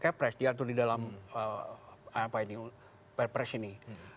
kepres diatur di dalam perpres ini